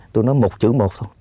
tôi nói một chữ một thôi